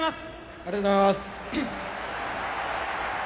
ありがとうございます。